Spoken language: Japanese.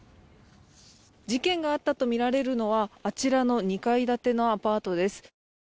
事件があったとみられるのはあちらの２階建てのアパートです。